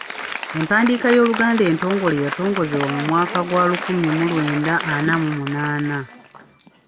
Empandiika y’Oluganda entongole yatongozebwa mu mwaka gwa lukumi mu lwenda ana mu munaana.